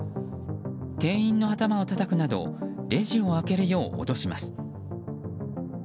店員の頭をたたくなどレジを開けるよう脅します。